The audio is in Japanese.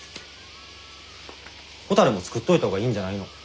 ほたるも作っといたほうがいいんじゃないの？